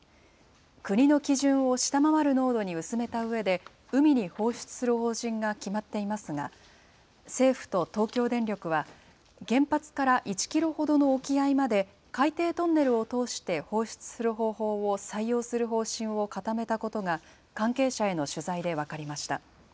国の基準を下回る濃度に薄めたうえで、海に放出する方針が決まっていますが、政府と東京電力は、原発から１キロほどの沖合まで、海底トンネルを通して放出する方法を採用する方針を固めたことが、関係者への取材で分かりました。